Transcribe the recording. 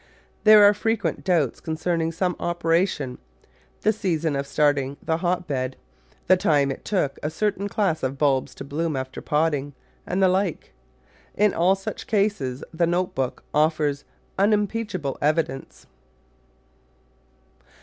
There are frequent doubts concerning some opera tion — the season of starting the hotbed, the time it took a certain class of bulbs to bloom after potting, and the like. In all such cases the note book offers unimpeachable evidence.